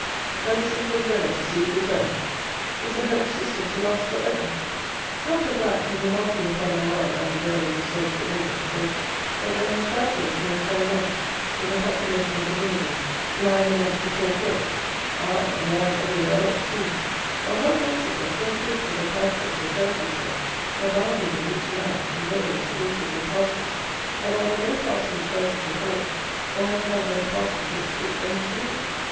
And is England never to see it return! Is the hellish system to last for ever! Doctor Black, in remarking upon my Ride down the vale of the Salisbury Avon, says, that there has, doubtless, been a falling off in the population of the villages, "lying amongst the chalk hills;" aye, and lying everywhere else too; or, how comes it, that four fifths of the parishes of Herefordshire, abounding in rich land, in meadows, orchards, and pastures, have either no parsonage houses at all, or have none that a Parson thinks fit for him to live in?